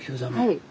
はい。